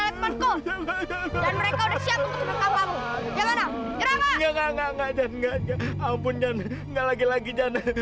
nggak jan nggak lagi jan